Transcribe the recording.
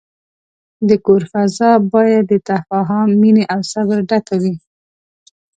د کور فضا باید د تفاهم، مینې، او صبر ډکه وي.